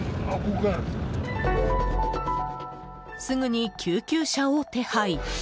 すぐに救急車を手配。